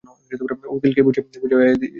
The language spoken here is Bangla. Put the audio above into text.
উকিল কে বুঝায়া দিসে একদম।